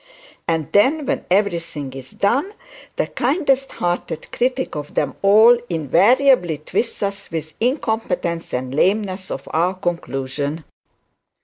And then when everything is done, the kindest hearted critic of them all invariably twit us with the incompetency and lameness of our conclusion.